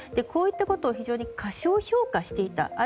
こういったことを非常に過小評価していた